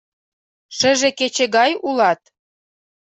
Шыже кече гай улат?